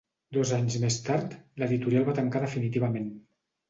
Dos anys més tard, l'editorial va tancar definitivament.